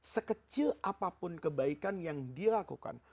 sekecil apapun kebaikan yang dilakukan